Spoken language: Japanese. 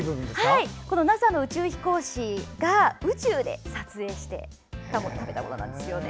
ＮＡＳＡの宇宙飛行士が宇宙で撮影したものなんです。